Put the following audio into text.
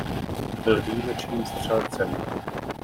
Byl výjimečným střelcem.